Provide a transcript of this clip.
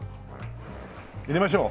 入れましょう。